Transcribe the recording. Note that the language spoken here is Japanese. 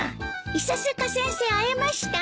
伊佐坂先生会えました？